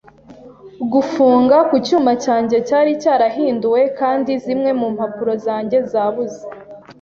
Gufunga ku cyuma cyanjye cyari cyarahinduwe kandi zimwe mu mpapuro zanjye zabuze.